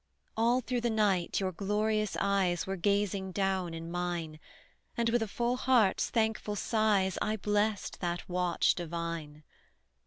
All through the night, your glorious eyes Were gazing down in mine, And, with a full heart's thankful sighs, I blessed that watch divine.